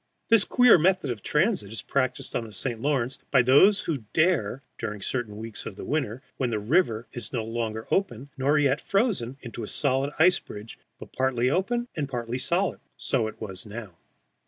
This queer method of transit is practised on the St. Lawrence, by those who dare, during certain weeks of winter when the river is no longer open nor yet frozen into a solid ice bridge, but partly open and partly solid. So it was now.